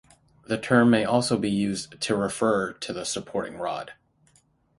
The term may also be used refer to the supporting rod.